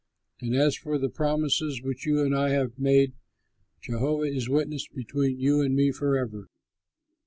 And as for the promises which you and I have made, Jehovah is witness between you and me forever."